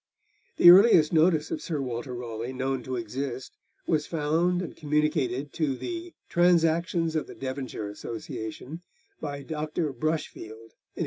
The earliest notice of Sir Walter Raleigh known to exist was found and communicated to the Transactions of the Devonshire Association by Dr. Brushfield in 1883.